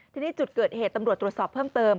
ทีนี้จุดเกิดเหตุตำรวจตรวจสอบเพิ่มเติม